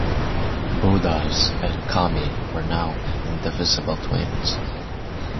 Buddhas and kami were now indivisible twins.